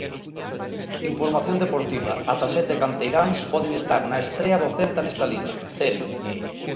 Información deportiva, ata sete canteiráns poden estar na estrea do Celta nesta Liga, Terio.